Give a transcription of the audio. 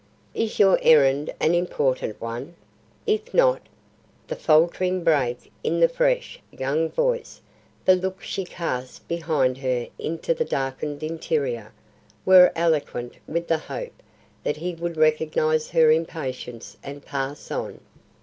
Is your errand an important one? If not " The faltering break in the fresh, young voice, the look she cast behind her into the darkened interior, were eloquent with the hope that he would recognise her impatience and pass on.